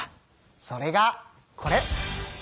それがこれ！